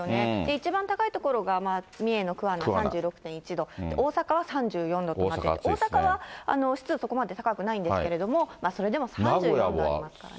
一番高い所が三重の桑名３６．１度、大阪は３４度となって、大阪は湿度そこまで高くないんですけれども、それでも３４度ありますからね。